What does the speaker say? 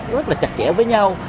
rất là chặt chẽ với nhau